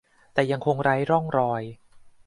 แต่ยังคงไร้ร่องรอย